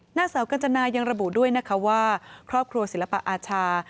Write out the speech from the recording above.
หน้าสาวกัญจนายังระบุด้วยนะคะว่าครอบครัวศิลปอาชา